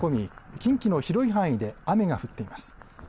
近畿の広い範囲で雨が降っています。